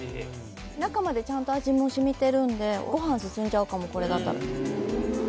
中までちゃんと味も染みてるんでご飯進んじゃうかもこれだったら。